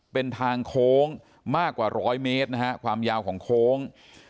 เป็นทางโค้งมากกว่าร้อยเมตรนะฮะความยาวของโค้ง